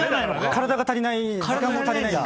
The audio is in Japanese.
体が足りないんで。